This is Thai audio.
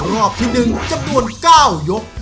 รอบที่๑จำนวน๙ยก